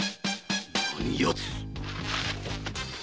何やつ！